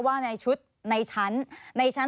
แล้วทีนี้เขาก็เอาไปบ้านแฟนเขา